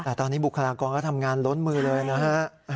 แต่ตอนนี้บุคลากรก็ทำงานล้นมือเลยนะฮะ